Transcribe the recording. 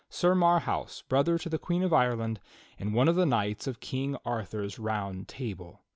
Sir Marhaus, brother to the Queen of Ireland, and one of the knights of King Arthur's Round Table.